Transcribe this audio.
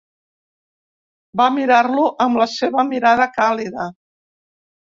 Va mirar-lo amb la seva mirada càlida.